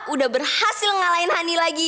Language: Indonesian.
udah berhasil ngalahin hani lagi